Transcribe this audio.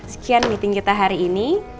sekian meeting kita hari ini